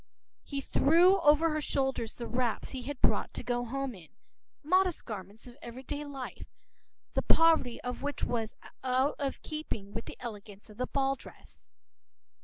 p>He threw over her shoulders the wraps he had brought to go home in, modest garments of every day life, the poverty of which was out of keeping with the elegance of the ball dress.